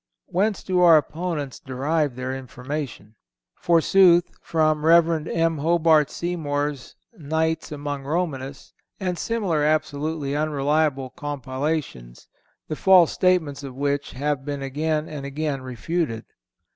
Whence do our opponents derive their information? Forsooth, from Rev. M. Hobart Seymour's "Nights Among Romanists" and similar absolutely unreliable compilations, the false statements of which have been again and again refuted.